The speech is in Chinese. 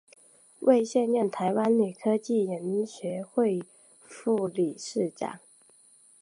为现任台湾女科技人学会副理事长。